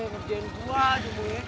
ngerjain gue jumlahnya